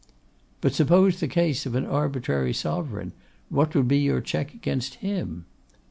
'But suppose the case of an arbitrary Sovereign, what would be your check against him?